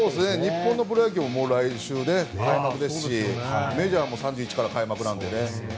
日本のプロ野球も来週で開幕ですしメジャーも３１日から開幕なので。